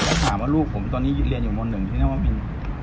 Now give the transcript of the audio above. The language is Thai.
ก็ถามว่าลูกผมตอนนี้เรียนอยู่มนต์๑ใช่ไหมครับว่ามิน